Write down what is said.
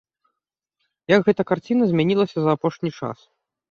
Як гэта карціна змянілася за апошні час?